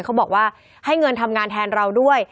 เขาบอกว่าให้เงินทำงานแทนเราด้วย